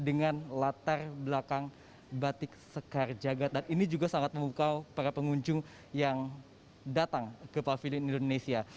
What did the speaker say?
dengan latar belakang batik sekar jagad dan ini juga sangat memukau para pengunjung yang datang ke pavilion indonesia